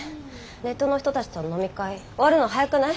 ネットの人たちとの飲み会終わるの早くない？